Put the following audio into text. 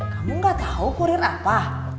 kamu gak tahu kurir apa